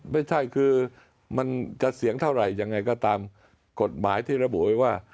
ไม่ใช่คือมันจะเสียงเท่าไหร่ยังไงก็ตามกฎหมายที่ระบุไว้ว่า